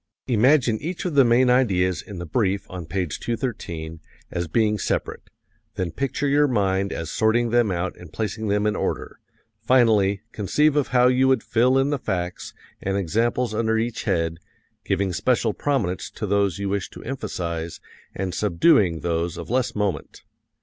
Imagine each of the main ideas in the brief on page 213 as being separate; then picture your mind as sorting them out and placing them in order; finally, conceive of how you would fill in the facts and examples under each head, giving special prominence to those you wish to emphasize and subduing those of less moment.